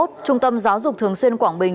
trung tâm giáo dục thường xuyên quảng bình